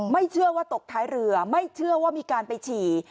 ไม่เชื่อว่าตกท้ายเรือไม่เชื่อว่ามีการไปฉี่